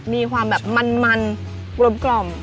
มีความแบบมันกลม